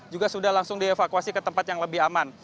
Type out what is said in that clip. juga sudah langsung dievakuasi ke tempat yang lebih aman